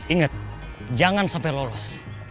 ingat jangan sampai lolos